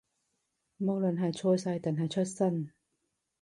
無論係財勢，定係出身